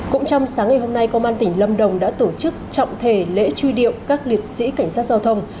cũng trong sáng ngày hôm nay công an tỉnh lâm đồng đã tổ chức trọng thể lễ truy điệu các liệt sĩ cảnh sát giao thông